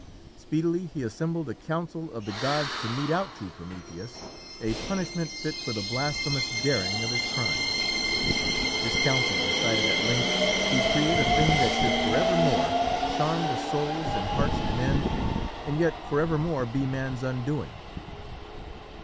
Speedily he assembled a council of the gods to mete out to Prometheus a punishment fit for the blasphemous daring of his crime. This council decided at length to create a thing that should for evermore charm the souls and hearts of men, and yet, for evermore, be man's undoing.